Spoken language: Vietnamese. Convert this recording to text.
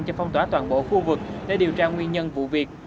cho phong tỏa toàn bộ khu vực để điều tra nguyên nhân vụ việc